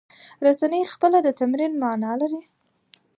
رسنۍ خپله د تمدن معنی لري.